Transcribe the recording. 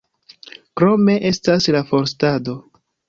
Krome estas la forstado.